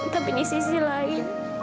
tapi di sisi lain